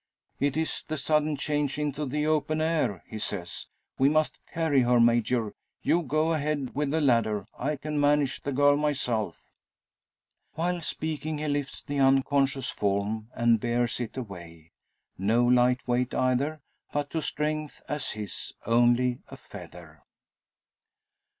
"It's the sudden change into the open air," he says. "We must carry her, Major. You go ahead with the ladder, I can manage the girl myself." While speaking he lifts the unconscious form, and bears it away. No light weight either, but to strength as his, only a feather.